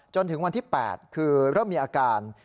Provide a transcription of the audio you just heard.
จนถึงวันที่๘คือเริ่มมีอาการ